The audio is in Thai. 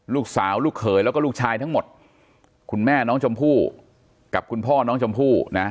ลูกสาวลูกเขยแล้วก็ลูกชายทั้งหมดคุณแม่น้องชมพู่กับคุณพ่อน้องชมพู่นะ